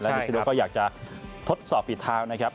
และอินดูนิเซียนก็อยากจะทดสอบผิดเท้านะครับ